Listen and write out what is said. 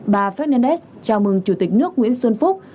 bà fernanet chào mừng chủ tịch nước nguyễn xuân phúc